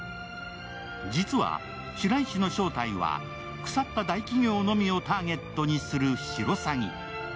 実は白石の正体は、腐った大企業のみをターゲットにするシロサギ。